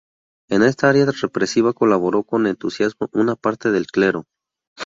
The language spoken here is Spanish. En esta tarea represiva colaboró con entusiasmo una parte del clero.